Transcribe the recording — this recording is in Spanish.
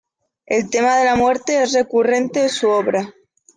El tema de la Muerte es recurrente en su obra.